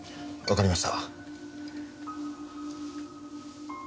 わかりました。